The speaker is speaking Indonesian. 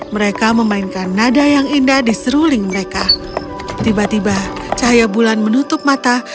mereka memainkan nada yang indah di seruling mereka tiba tiba cahaya bulan menutup mata